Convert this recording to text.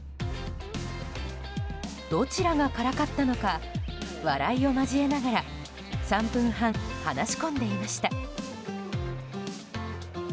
どちらがからかったのか笑いを交えながら３分半、話し込んでいました。